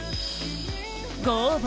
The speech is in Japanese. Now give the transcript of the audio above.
ご応募